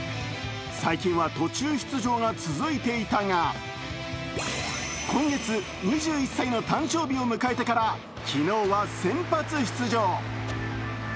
最近は途中出場が続いていたが、今月、２１歳の誕生日を迎えてから、昨日は先発出場。